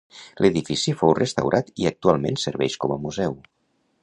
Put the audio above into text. L'edifici fou restaurat i actualment serveix com a museu.